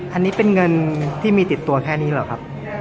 อันนี้เป็นเงินที่มีติดตัวแค่นี้เหรอครับ